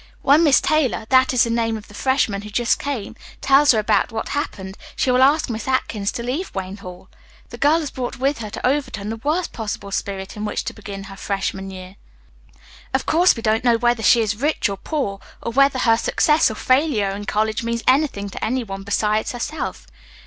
When Miss Taylor, that is the name of the freshman who just came, tells her about what happened she will ask Miss Atkins to leave Wayne Hall. This girl has brought with her to Overton the worst possible spirit in which to begin her freshman year. Of course, we don't know whether she is rich or poor, or whether her success or failure in college means anything to any one besides herself.